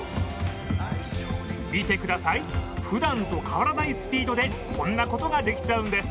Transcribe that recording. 見てください、ふだんと変わらないスピードでこんなことができちゃうんです。